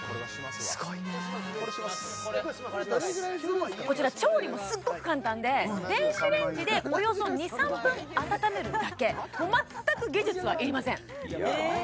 すごいねこちら調理もすっごく簡単で電子レンジでおよそ２３分温めるだけ全く技術はいりませんええ